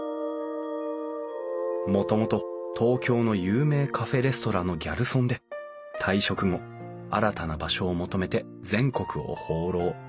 もともと東京の有名カフェレストランのギャルソンで退職後新たな場所を求めて全国を放浪。